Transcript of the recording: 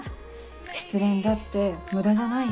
失恋だって無駄じゃないよ。